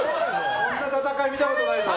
こんな戦い見たことないよ！